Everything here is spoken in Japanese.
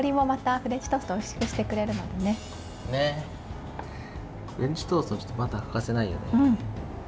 フレンチトーストにバターは欠かせないよね。